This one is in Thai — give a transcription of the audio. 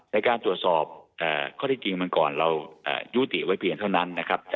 ในการตรวจสอบข้อจริงมันก่อนเรายูติไว้เพียงเท่านั้น